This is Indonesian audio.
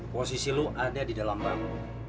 posisi lo ada di dalam bang